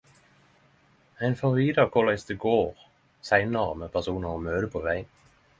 Ein får vite korleis det går seinare med personar ho møter på vegen.